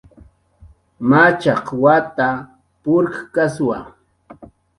Machaq wata purkkaswa